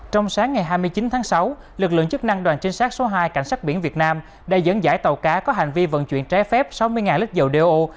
trong sáng ngày hai mươi chín tháng sáu lực lượng chức năng đoàn trinh sát số hai cảnh sát biển việt nam đã dẫn dãi tàu cá có hành vi vận chuyển trái phép sáu mươi lít dầu đeo